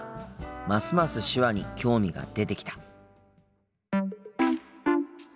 ますます手話に興味が出てきた。